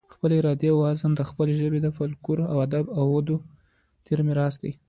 خپله اراده اوعزم د خپلې ژبې د فلکلور، ادب اودود د تیر میراث